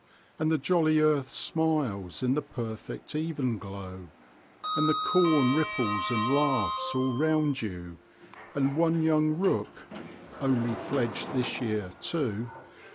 And the jolly earth smiles in the perfect evenglow, and the corn ripples and laughs all round you, and one young rook (only fledged this year, too!)